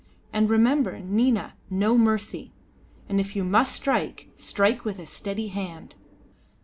And remember, Nina, no mercy; and if you must strike, strike with a steady hand."